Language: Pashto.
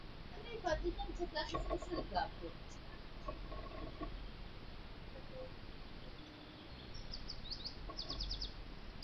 اطلاع ورکړه.